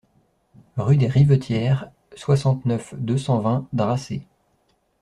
Rue des Rivetières, soixante-neuf, deux cent vingt Dracé